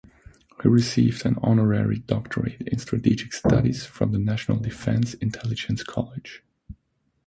He received an honorary doctorate in strategic studies from the National Defense Intelligence College.